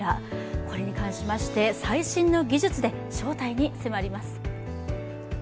これに関しまして、最新の技術で正体に迫ります。